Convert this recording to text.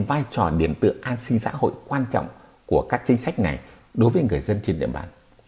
vai trò điểm tựa an sinh xã hội quan trọng của các chính sách này đối với người dân trên địa bàn